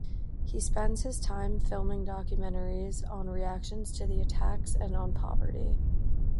He spends his time filming documentaries on reactions to the attacks and on poverty.